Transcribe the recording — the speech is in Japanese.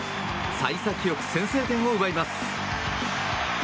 幸先よく先制点を奪います。